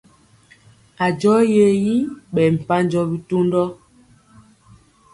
A jɔ ye yi ɓɛ mpanjɔ bitundɔ.